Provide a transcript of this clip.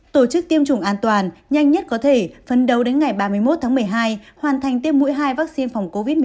tổ chức tiêm chủng an toàn nhanh nhất có thể phân đấu đến ngày ba mươi một tháng một mươi hai hoàn thành tiêm mũi hai vaccine phòng covid một mươi chín